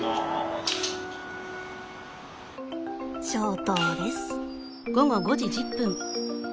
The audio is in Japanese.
消灯です。